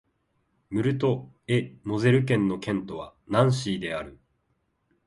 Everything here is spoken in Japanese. ムルト＝エ＝モゼル県の県都はナンシーである